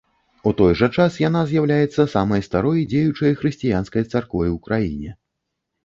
У той жа час яна з'яўляецца самай старой дзеючай хрысціянскай царквой у краіне.